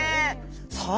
さあ